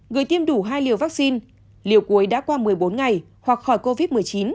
người tiêm đủ hai liều vaccine liều cuối đã qua một mươi bốn ngày hoặc khỏi covid một mươi chín